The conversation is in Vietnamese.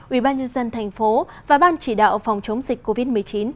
ubnd tp và ban chỉ đạo phòng chống dịch covid một mươi chín